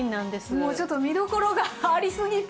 もうちょっと見どころがありすぎて。